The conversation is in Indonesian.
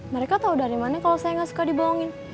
mereka tau dari mana kalau saya gak suka dibohongin